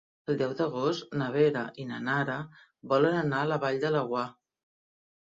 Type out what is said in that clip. El deu d'agost na Vera i na Nara volen anar a la Vall de Laguar.